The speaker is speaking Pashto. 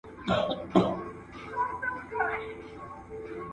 کېدای سي چپنه ګنده وي!!